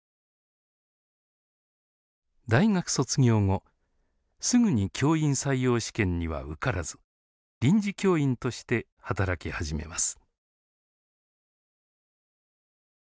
大学卒業後すぐに教員採用試験には受からず臨時教員として働き始めます。